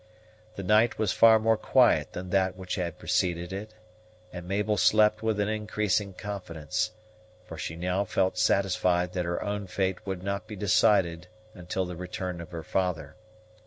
The night was far more quiet than that which had preceded it, and Mabel slept with an increasing confidence; for she now felt satisfied that her own fate would not be decided until the return of her father.